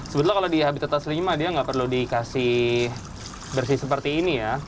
sebetulnya kalau di habitat taslima dia nggak perlu dikasih bersih seperti ini ya